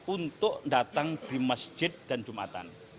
untuk datang di masjid dan jumatan